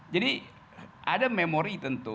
jadi ada memori tentu